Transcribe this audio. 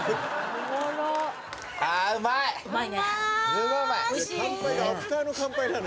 すごいうまい。